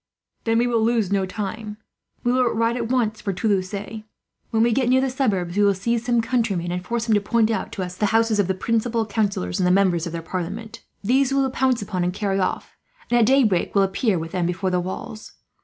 "Then we will lose no time. We will ride at once for Toulouse. When we get near the suburbs we will seize some countryman, and force him to point out to us the houses of the principal councillors and the members of their parliament. These we will pounce upon and carry off, and at daybreak will appear with them before the walls.